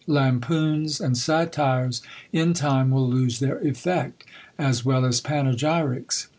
Lampoons and satires in time will lose their effect, as well as panegyrics.